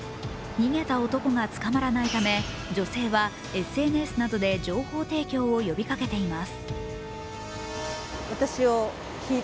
逃げた男が捕まらないため女性はＳＮＳなどで情報提供を呼びかけています。